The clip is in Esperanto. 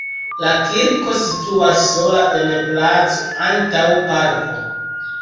La kirko situas sola en placo antaŭ parko.